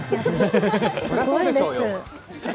そりゃそうでしょうよ。